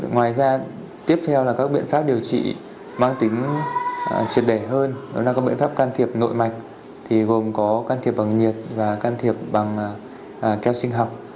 ngoài ra tiếp theo là các biện pháp điều trị mang tính triệt để hơn đó là các biện pháp can thiệp nội mạch gồm có can thiệp bằng nhiệt và can thiệp bằng keo sinh học